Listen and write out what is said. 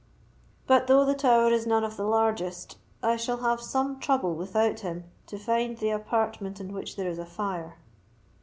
But though the tower is none of the largest, I shall have some trouble without him to find the apartment in which there is a fire."